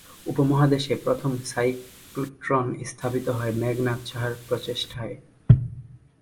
উপমহাদেশে প্রথম সাইক্লোট্রন স্থাপিত হয় মেঘনাদ সাহার প্রচেষ্টায়।